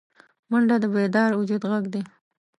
منډه د بیدار وجود غږ دی